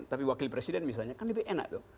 tapi wakil presiden misalnya kan lebih enak tuh